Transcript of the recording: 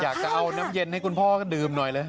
อยากจะเอาน้ำเย็นให้คุณพ่อก็ดื่มหน่อยเลย